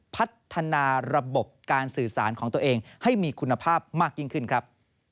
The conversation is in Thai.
พัฒนาระบบการสื่อสารของตัวเองให้มีคุณภาพมากยิ่งขึ้นครับ